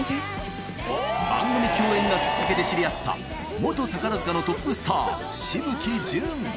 番組共演がきっかけで知り合った、元宝塚のトップスター、紫吹淳。